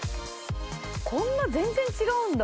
こんな全然違うんだ。